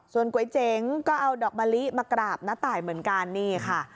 ส่วนก๋วยเจ๋งก็เอาดอกมะลิมากราบน้าตายเหมือนกันนี่ค่ะ